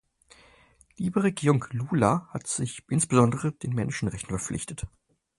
Die Regierung Lula hat sich insbesondere den Menschenrechten verpflichtet.